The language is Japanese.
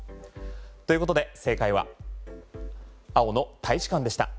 ということで正解は青の大使館でした。